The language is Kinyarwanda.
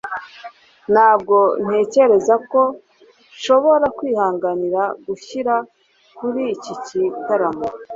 ntabwo ntekereza ko nshobora kwihanganira gushyira kuri iki gitaramo